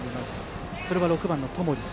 それは６番の友利。